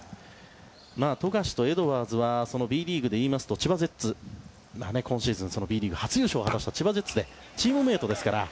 富樫とエドワーズはＢリーグでいいますと千葉ジェッツ今シーズンＢリーグ初優勝を果たした千葉ジェッツでチームメートですから。